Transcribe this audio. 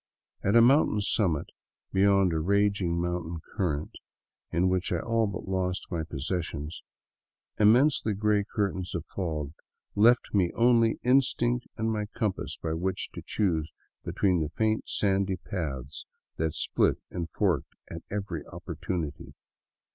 At a mountain summit, beyond a raging mountain current in which I all but lost my possessions, immense gray curtains of fog left me only instinct and my compass by which to choose between the faint sandy paths that split and forked at every opportunity.